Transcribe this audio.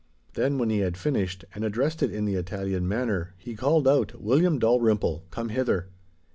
Then, when he had finished and addressed it in the Italian manner, he called out, 'William Dalrymple, come hither!